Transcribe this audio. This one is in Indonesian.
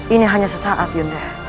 ini hanya sesaat yunda